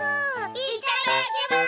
いっただっきます！